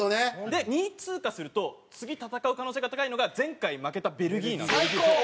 で２位通過すると次戦う可能性が高いのが前回負けたベルギーなんですよ。